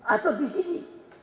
atau di sini